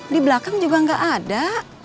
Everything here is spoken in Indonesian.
di belakang juga nggak ada